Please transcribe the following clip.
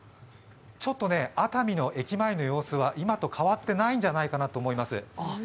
ちょっと熱海の駅前の様子は今と変わってないんじゃないかなと思います。